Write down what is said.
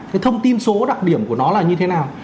cái thông tin số đặc điểm của nó là như thế nào